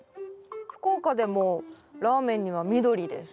福岡でもラーメンには緑です。